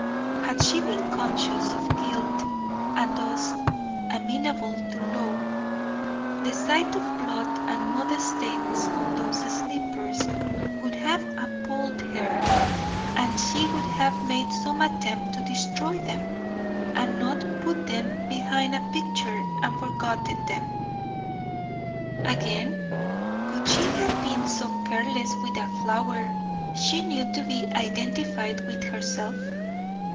Had she been conscious of guilt and thus amenable to law, the sight of blood and mud stains on those slippers would have appalled her, and she would have made some attempt to destroy them, and not put them behind a picture and forgotten them. Again, would she have been so careless with a flower she knew to be identified with herself?